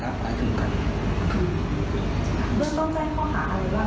เบื้องต้นใจหาต้องหากาไรบ้างคะ